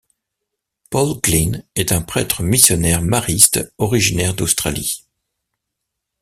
Paul Glynn est un prêtre missionnaire mariste originaire d'Australie.